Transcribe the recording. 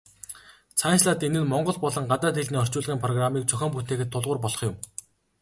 Цаашлаад энэ нь монгол болон гадаад хэлний орчуулгын программыг зохион бүтээхэд тулгуур болох юм.